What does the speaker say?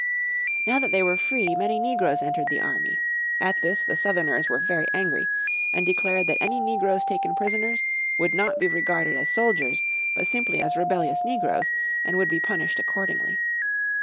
Now that they were free, many negroes entered the army. At this the Southerners were very angry, and declared that any negroes taken prisoners would not be regarded as soldiers, but simply as rebellious negroes, and would be punished accordingly.